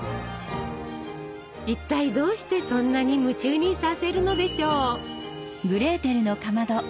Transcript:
一体どうしてそんなに夢中にさせるのでしょう？